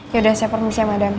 yaudah saya permisi madam